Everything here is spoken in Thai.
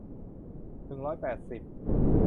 หนึ่งร้อยแปดสิบ